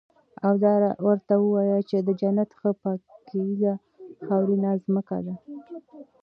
او دا ورته ووايه چې د جنت ښه پاکيزه خاورينه زمکه ده